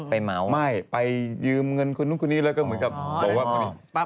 ไปเมาส์ไม่ไปยืมเงินคุณนุ่มคุณนี้แล้วก็เหมือนกับบอกว่า